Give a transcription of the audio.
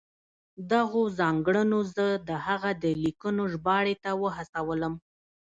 دغو ځانګړنو زه د هغه د لیکنو ژباړې ته وهڅولم.